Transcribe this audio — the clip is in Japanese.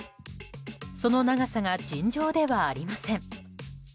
その長さが尋常ではありません。